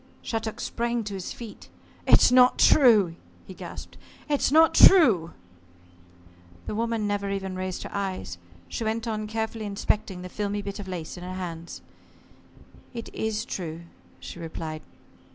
Shattuck sprang to his feet. "It's not true!" he gasped. "It's not true!" The woman never even raised her eyes. She went on carefully inspecting the filmy bit of lace in her hands. "It is true," she replied.